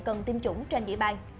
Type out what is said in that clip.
cần tiêm chủng trên địa bàn